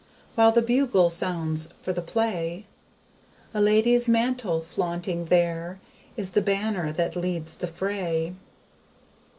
When the BUGLE sounds for the play A LADIES MANTLE flaunting there Is the banner that leads the fray.